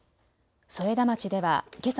添田町ではけさ